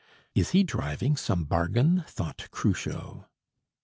"Is he driving some bargain?" thought Cruchot.